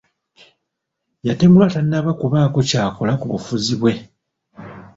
Yatemulwa tannaba kubaako ky'akola ku bufuzi bwe.